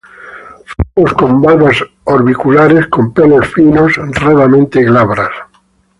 Frutos con valvas orbiculares, con pelos finos, raramente glabras.